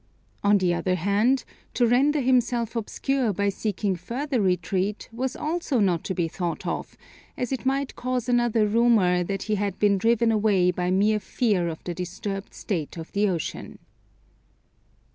On the other hand, to render himself obscure by seeking further retreat was also not to be thought of, as it might cause another rumor that he had been driven away by mere fear of the disturbed state of the ocean.